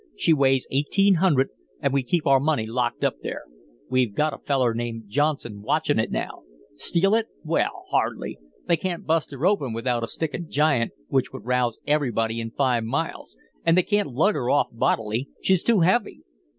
She weighs eighteen hundred, and we keep our money locked up there. We've got a feller named Johnson watchin' it now. Steal it? Well, hardly. They can't bust her open without a stick of 'giant' which would rouse everybody in five miles, an' they can't lug her off bodily she's too heavy.